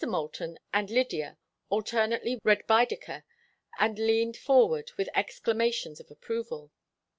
Moulton and Lydia alternately read Baedeker and leaned forward with exclamations of approval.